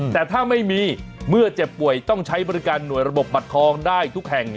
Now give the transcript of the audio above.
แต่ถ้าไม่มีเมื่อเจ็บป่วยต้องใช้บริการหน่วยระบบบัตรทองได้ทุกแห่ง